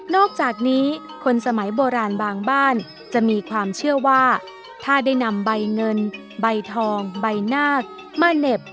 อกจากนี้คนสมัยโบราณบางบ้านจะมีความเชื่อว่าถ้าได้นำใบเงินใบทองใบนาคมาเหน็บ